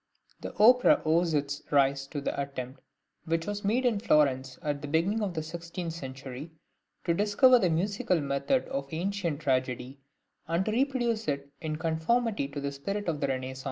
THE OPERA owes its rise to the attempt which was made in Florence at the beginning of the sixteenth century to discover the musical method of ancient tragedy and to reproduce it in conformity to the spirit of the Renaissance.